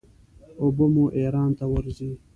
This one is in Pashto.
اوبه مو ایران ته ورځي.